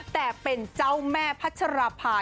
แต่เป็นเจ้าแม่พัชราภา